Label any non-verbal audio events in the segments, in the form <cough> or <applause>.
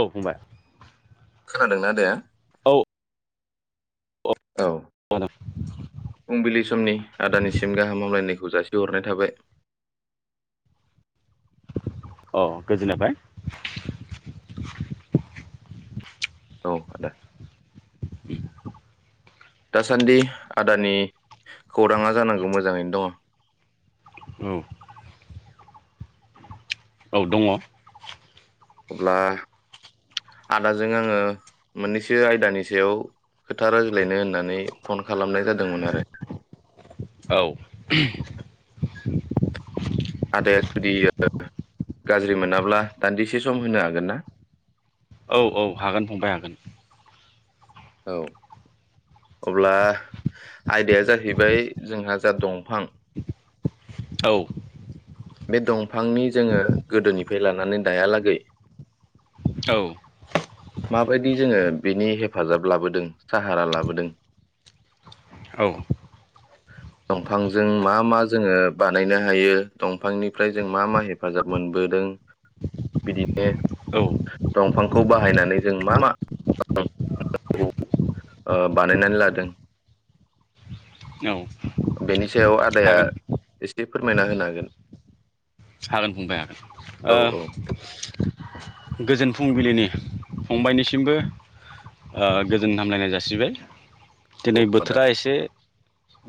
औ फंबाय खोनदोंना आदाया औ औ फुंबिलि समनि आदानिसिम गा हामलायनायखौ जासिहरनाय थाबाय। अ गोजोन बाय औ ओ दे दासान्दि आदानि खौराङा जानांगौ मोजाङैनो दं। औ औ दङ अब्ला आदाजों आङो मोननैसो आयदानि सायाव खोथा रायज्लायनो होननानै फन खालामनाय जादोंमोन आरो। औ आदाया जुदि ओ गाज्रि मोनाब्ला दान्दिसे सम होनो हागोन ना। औ औ हागोन फंबाय हागोन औ अब्ला आयदाया जाहैबाय जोंहा जा दंफां औ बे दंफांनि जोंङो गोदोनिफ्राय लानानै दायालागै औ माबायदि जोंङो बिनि हेफाजाब लाबोदों साहारा लाबोदों। औ दंफांजों मा मा जोंङो बानायनो हायो। दंफांनिफ्राय जों मा मा हेफाजाब मोनबोदों बिदिनो दंफांखौ बाहायनानै जों मा मा <unintelligible> ओ बानायनानै लादों बेनि सायाव आदाया हागोन एस से फोरमायना होनो हागोन। सागोन बुंबाय हागोन ओ औ गोजोन फुं फुंबिलिनि फंबायनिसिमबो ओ गोजोन हामलायनाय जासिबाय। औ दिनै आदा बोथोरा एसे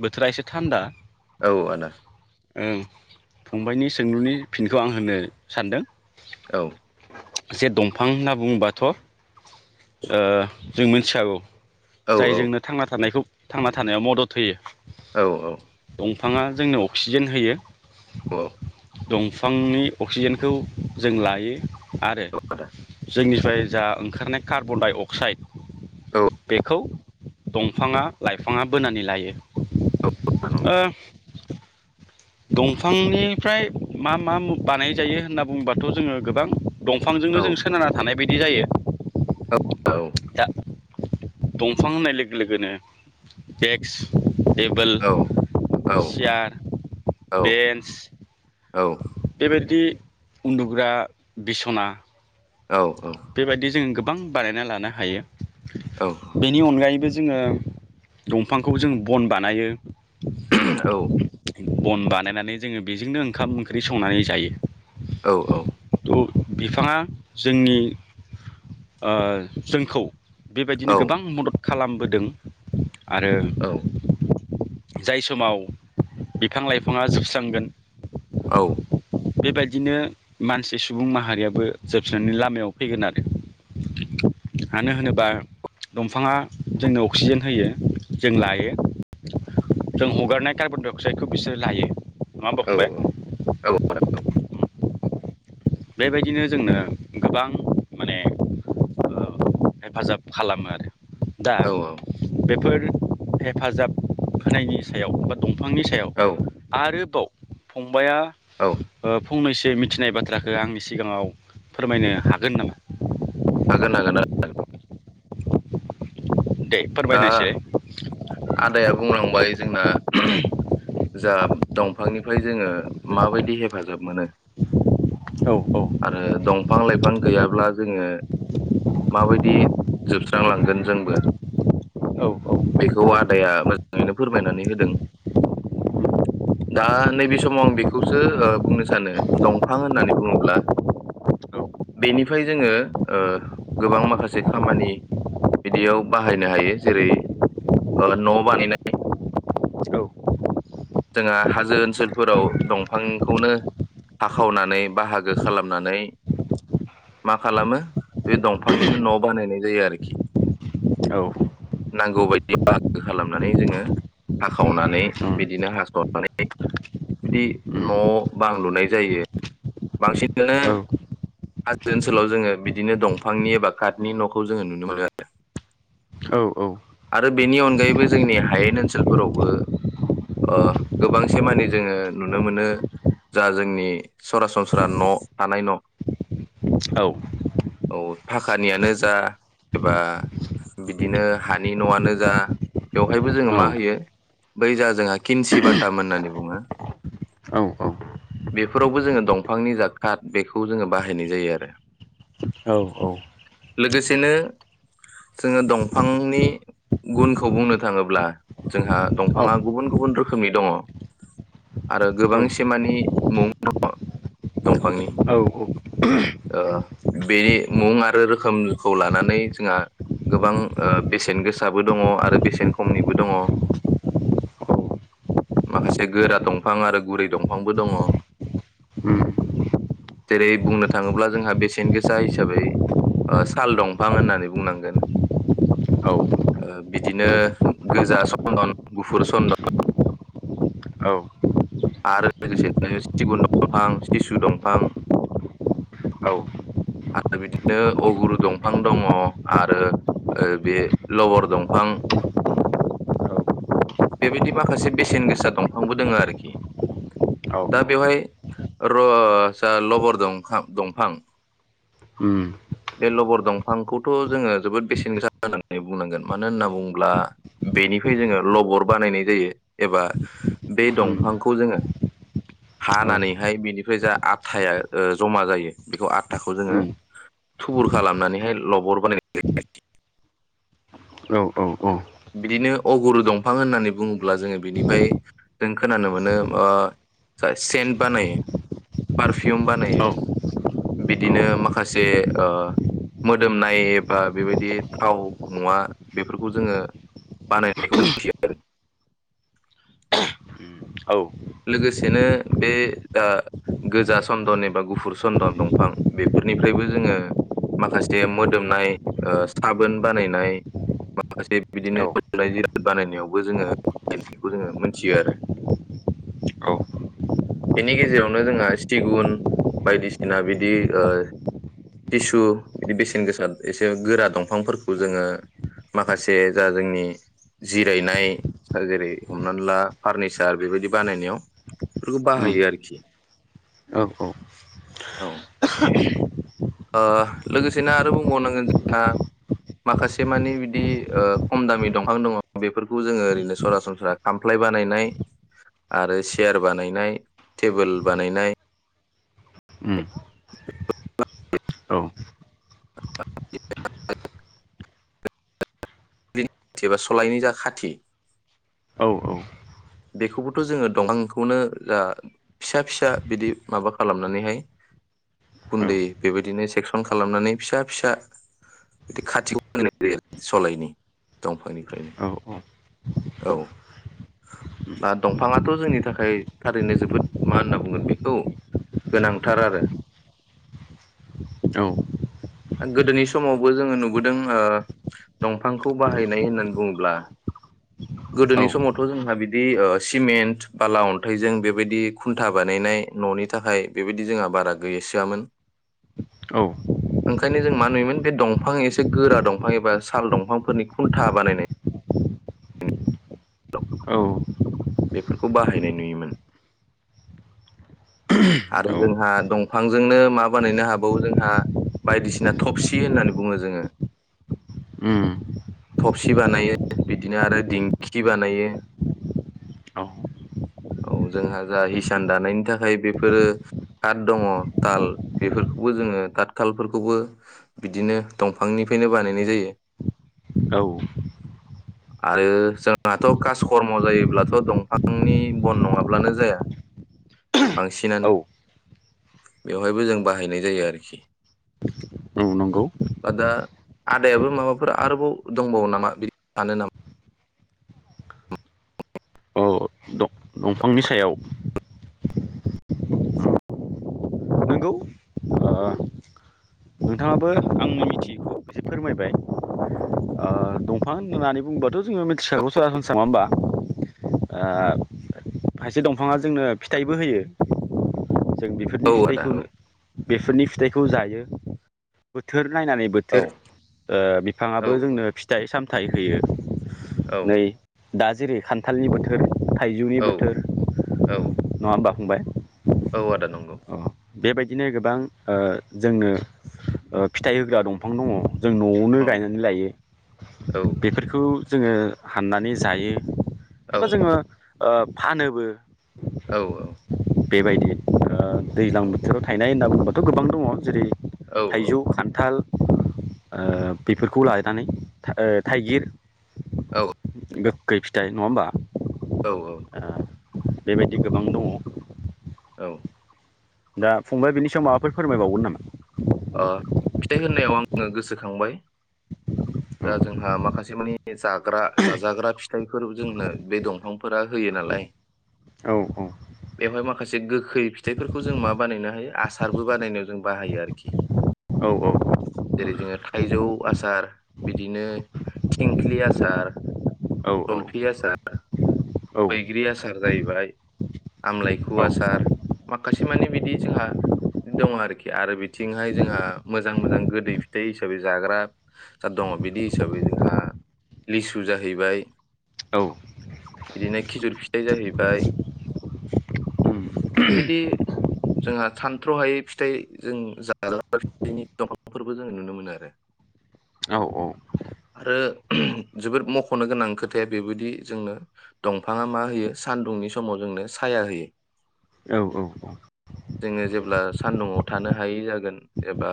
बोथोरा एसे थान्दा। औ आदा। ओं फंबायनि सा सोंलुनि फिनखौ आं होननो सानदों। औ। जे दंफां होनना बुङोबाथ' ओ जों मिथिखागौ। औ जायजोंनो थांना थानायखौ थांना थानायाव मदद होयो। औ औ। बिफाङा जोंनो अक्सिजेन होयो। दंफांनि अक्सिजेनखौ जों लायो। आरो आदा औ आदा जोंनि ओमफ्राय जा ओंखारनाय कार्बन डाइ अक्साइड बेखौ दंफाङा लाइफाङा बोनानै लायो। नंगौ ओ दंफांनिफ्राय मा मा बानाय जायो होनना बुंङोबाथ' जोङो गोबां औ दंफांजोंनो जों सोनारा थानाय। बिदि जायो। औ। दा दंफां होननाय लोगो लोगोनो एक्स टेबोल औ चयार औ बेन्स औ। बेदि उन्दुग्रा बिसना औ बेबायदि जों गोब गोबां बानायना लानो हायो। औ बेनि अनगायैबो जोङो दंफांखौ जों बन बानायो। औ। बन बानायनानै जोङो बेजोंनो ओंखाम ओंख्रि संनानै जायो। औ औ। बिफाङा जोंनि ओ जोंखौ बेबायदिनो गोबां मदद खालामबोदों आरो जाय समाव बिफां लाइफाङा जोबस्रांगोन औ बेबायदिनो मानसि सुबुं माहारियाबो जोब नि लामायाव फैगोन आरो मानो होनोबा दंफाङा जोंनो अक्सिजेन होयो जों लायो जों हगारनाय कार्बन डाइ अक्साइडखौ बिसोरो लायो नङा होमबा औ फंबाय औ औ आदा औ बेबायदिनो जोंनो गोबां माने ओ हेफाजाब खालामो आरो दा औ बेफोर हेफाजाब होनायनि सायाव बा दं बिफांनि सायाव औ आरोबाव फंबाइाया औ फंनैसो मिथिनाय बाथ्रा खौ आंनि सिगाङाव फोरमायनो हागोन नामा हागोन हागोन आदा हागोन दे दा फोरमायनायसै आदाया बुंलांबाय जोंना जा दंफांनिफ्राय जोङो माबायदि हेफाजाब मोनो औ आरो दंफां लाइफां गैयाब्ला जोङो माबायदि जोबस्रांलांगोन जोंबो औ बेखौ आदाया मोजाङैनो फोरमायनानै होदों दा नैबे समाव आं बेखौसो ओ बुंनो सानो दंफां होननानै बुङोब्ला बेनिफ्राय जोङो ओ गोबां माखासे खामानि बिदियाव बाहायनो हायो जेरै ओ न' बानायनाय जोङो हाजो ओनसोलफोराव दंफांखौनो हाखावनानै बाहागो खालामनानै मा खालामो बे दंफांनिनो न' बानायनाय जायो आरोखि औ उम नांगौ बायदि बाहागो खालामनानै जोङो हाखावनानै बिदि बिदिनो हास'नानै बिदि न' उम बां लुनाय जायो बांसिनानो हाजो ओनसोलाव जोङो बिदिनो दंफांनि एबा काटनि न'खौ जोङो नुनो मोनो आरो आरो बेनि अनगायैबो जोंनि हायेन ओनसोलफोरावबो ओ गोबांसे मानिे जोङो नुनो मोनो जा जोंनि सरासनस्रा न' थानाय न' औ औ फाखानियानो जा एबा बिदिनो हानि न'आनो जा बेवहायबो जोङो औ मा होयो बै जा जोंहा खिनसि बाटाम होननानै बुङो औ बेफोरावबो जोङो दंफांनि जा काद बेखौ जोङो बाहायनाय जायो आरो औ औ लोगोसेनो जोङो दंफां नि गुनखौ बुंनो थाङोब्ला जोंहा दंफाङा गुबुन गुबुन रोखोमनि दङ आरो गोबां सेमानि मुं दङ दंफांनि ओ बे मुं आरो रोखोमखौ लानानै जोंहा गोबां ओ बेसेन गोसाबो दङ आरो बेसेन खमनिबो दङ माखासे गोरा दंफां आरो गुरै दंफांबो दङ जेरै बुंनो थाङोब्ला जोंहा बेसेन गोसा हिसाबै ओ साल दंफां होननानै बुंनांगोन ओ बिदिनो गोजा सन्दन गुफुर सन्दन औ आरो लोगोसेनो सिगुन दंफां सिसु दंफां आरो बिदिनो अगुरु दंफां दङ आरो ओ बे लवार दंफां बेबायदि माखासे बेसेन गोसा दंफांबो दङ आरोखि औ दा बेवहाय र जा लबर दंफां दंफां उम बे लबर दंफांखौथ' जोङो जोबोद बेसेन गोसा होननानै बुंनांगोन मानो होनना बुङोब्ला बेनिफ्राय जोङो लबर बानायनाय जायो एबा बे उम दंफां खौ जोङो औ हानानैहाय बेनिफ्राय जा आटाया ओ जमा जायो बेखौ आथाखौ जोङो उम औ थुबुर खालामनानैहाय लबर बानायनानै जायो आरोखि औ बिदिनो अगुरु दंफां होननानै बुङोब्ला जोङो बिनिफ्राय जों खोनानो मोनो ओ सेन्ट बानायो पारफिउम बानायो बिदिनो माखासे ओ मोदोमनाय एबा बेबायदि थाव मुवा बेफोरखौ जोङो बानायनायखौ मिथिनो आरो औ लोगोसेनो बे ओ गोजा सन्दन एबा गुफुर सन्दन दंफां बेफोरनिफ्रायबो जोङो माखासे मोदोमनाय ओ साबोन बानायनाय माखासे औ बिदिनो औ मोदोमनाय जिराद बानायनायावबो जोङो बनायखौ जोङो मोनथियो आरो बेनि गेजेरावनो जोंहा सिगुन बायदिसिना बिदि ओ सिसु बिदि बेसेन गोसा एसे गोरा दंफांफोरखौ जोङो माखासे जा जोंनि जिरायनाय जेरै हमनानै ला फारनिचार बेबायदि बानायनायाव बेफोरखौ उम बाहायो आरोखि औ औ औ ओ लोगोसेनो आरो बुंबावनांगोन जोंहा माखासे मानि बिदि ओ खम दामि दंफां दङ बेफोरखौ जोङो ओरैनो सरासनस्रा खामफ्लाय बानायनाय आरो चियार बानायनाय टेबोल बानायनाय। उम बेफोरखौ। औ एबा सलायनि जा खाथि। बेखौबोथ जोङो दंफांखौनो जा फिसा-फिसा बिदि माबा खालामनानैहाय गुन्दै औ बेबायदिनो सेक्सन खालामनानै फिसा-फिसा बिदि खाथि खालामनाय जायो सलायनि दंफांनिफ्रायनो औ औ औ। दंफाङाथ जोंनि थाखाय थारैनो जोबोद मा होनना बुंगोन बेखौ गोनांथार आरो औ गोदोनि समावबो जोङो नुबोदों ओ दंफांखौ बाहायनाय होननानै बुङोब्ला औ गोदोनि समावथ जोंहा बिदि बिदि सिमेन्ट बाला अन्थाइजों बेबायदि खुन्था बानायनाय ननि थाखाय बेबायदि जोंहा बारा गैसोआमोन ओंखायनो जों मा नुयोमोन बे दंफां एसे गोरा दंफां एबा साल दंफांफोरनि खुन्था बानायनाय औ <unintelligible> बेफोरखौ बाहायनाय नुयोमोन आरो जोंहा दंफांजोंनो मा बानायनो हाबावो जोंहा बायदिसिना थफसि होननानै बुङो जोङो। उम थबसि बानायो बिदिनो आरो दिंखि बानायो। औ औ जोंहा जा हिसान दानायनि थाखाय बेफोरो काट दङ खाल बेफोरखौबो जोङो ताट खालफोरखौबो बिदिनो दंफांनिफ्रायनो बानायनाय जायो औ आरो जोंहाथ कास कर्म जायोब्ला। <unintelligible> दंफांनि बन नङाब्लानो जाया बांसिनानो औ बेवहायबो जों नंगौ <unintelligible> आदायाबो माबाफोर आरोबाव दंबावो नामा बिदि सानो नामा। औ दंफांनि सायाव। नोंगौ ओ नोंथाङाबो आंनि मिथियैखौ एसे फोरमायबाय। ओ दंफां होननानै बुङोबाथ जोङो मिथिखागौ सरासनस्रा नङा होमबा खायसे दंफाङा जोंनो फिथाइबो होयो। जों बेफोरनि नामा औ आदा फिथखौ औ बेफोरनि फिथाइखौ जायो। बोथोर नायनानै औ बोथोर ओ बिफाङाबो औ जोंनो फि सामथाय होयो। औ नै दा जेरै खान्थालनि बोथोर। थाइजौनि औ बोथोर औ नङा होनबा। फंबाय। औ आदा नंगौ। अ बेबायदिनो गोबां ओ जोंनो ओ फिथाइ होग्रा दंफां दङ। जों नआवनो औ गायनानै लायो औ बेफोरखौ जोङो हाननानै जायो। औ एब जोङो ओ फानोबो। औ औ। बेबायदि ओ दैज्लां बोथोराव थायनाय होनना बुंबा थगोबां दङ जेरै औ थाइजौ खान्थाल ओ बेफोरखौ लानानै ओ थाइगिर औ। गोखै फिथाइ नङा होमबा? औ औ। ओ बेबायदि गोबां दङ। औ। दा फंबाय बिनि सायाव माबाफोर फोरमायबावगोन नामा। ओ फिथाइ होननायाव आङो गोसोखांबाय दा नामा जोंहा माखासे मानि जाग्रा जाजाग्रा फिथाइफोर जोंनो बे दंफांफोरा होयो नालाय औ बेवहाय माखासे गोखै फिथाइफोरखौ जों मा बानायनो हायो आसारबो बानायनायाव जों बाहायो आरोखि। औ जेरै जोङो थाइजौ आसार बिदिनो थिंख्लि आसार औ जलफि आसार औ बैग्रि आसार जाहैबाय आमलाायखु आसार माखआ जोहा मोजां मोजां गोदै फिथाइ हिसाबै जाग्रा जा दङ बेदि हिसाबै जोंहा लिसु जाहैबाय औ बिदिनो खिजुर फिथाइ जाहैबाय बिबादि जोंहा सानथ्र' हायै फिथाइ जों जा हाग्रा बा रिनि दंफांफोरबो जोङो नुनो मोनो आरो औ औ आरो ओहम जोबोद मख'नो गोनां खोथाया बेबायदि जोंनो दंफाङा मा होयो सानदुंनि समाव जोंनो साया होयो। औ औ औ जोङो जेब्ला सान्दुङाव थानो हायै जाग गोन एबा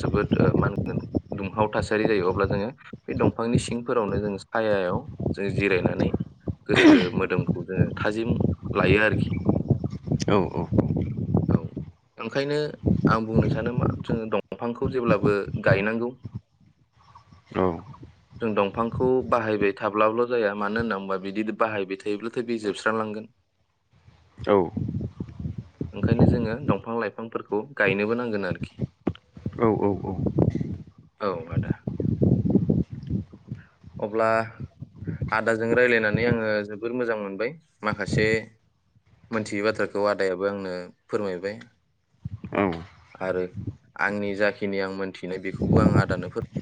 जोबोद ओ मा होनगोन दुंहाव थासारि जायो अब्ला जोङो बे दंफांनि सिंफोरावनो जों सायायाव जों जिरायनानै गोसो मोदोमखौ जोङो थाजिम लायो आरोखि। औ औ औ ओंखायनो आं बुंनो स आनो मा जोङो दंफांखौ जेब्लाबो गायनांगौ जों दंफांखौ बाहायबाय थाब्लाल' जाया मानो नामबा बिदि बाहायबाय थायोब्लाथ' बे जोबस्र लांगोन औ ओंखायनो जोङो दंफां लाइफांफोरखौ गायनोबो नांगोन आर खि औ औ औ आदा अब्ला आदाजों रायलायनानै आङो जोबोर मोजां मोनबाय माखासे मोनथियै बाथ्राखौ आदायाबो आंनो फोरमायबाय। औ आरो आंनि जाखिनि आं मोन्थिनाय बेखौबो आं आदानो फोर